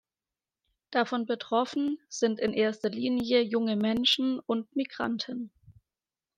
Davon betroffen sind in erster Linie junge Menschen und Migranten.